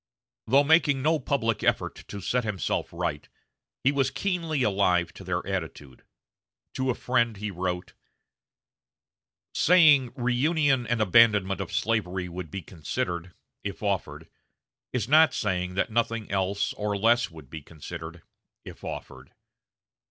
Though making no public effort to set himself right, he was keenly alive to their attitude. To a friend he wrote: "Saying reunion and abandonment of slavery would be considered, if offered, is not saying that nothing else or less would be considered, if offered....